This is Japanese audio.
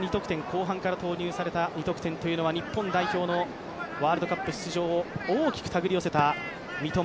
後半から投入された２得点というのは日本代表のワールドカップ出場を大きくたぐり寄せた三笘。